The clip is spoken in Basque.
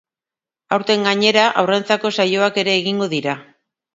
Aurten, gainera, haurrentzako saioak ere izango dira.